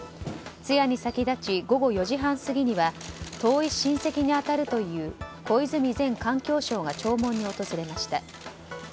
通夜に先立ち午後４時半過ぎには遠い親戚に当たるという小泉前環境省が弔問に訪れました。